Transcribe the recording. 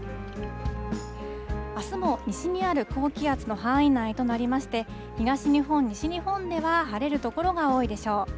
あすも西にある高気圧の範囲内となりまして、東日本、西日本では晴れる所が多いでしょう。